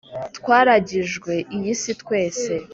twaragijwe iyi si twese